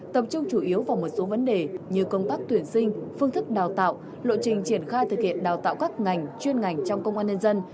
tập trung chủ yếu vào một số vấn đề như công tác tuyển sinh phương thức đào tạo lộ trình triển khai thực hiện đào tạo các ngành chuyên ngành trong công an nhân dân